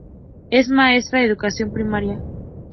Es maestra de educación primaria.